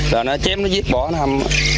rồi nó chém nó giết bỏ nó hâm